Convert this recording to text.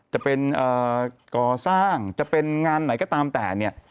จะเป็นก่อสร้างจะเป็นงานไหนก็ตามแต่เนี่ย